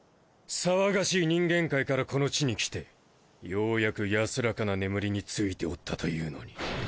騒がしい人間界からこの地に来てようやく安らかな眠りについておったというのに！